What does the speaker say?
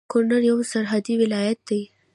کونړ يو سرحدي ولايت دی